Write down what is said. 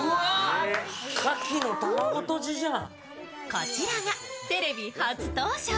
こちらがテレビ初登場。